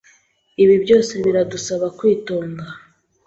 ibi byose biradusaba kwitonda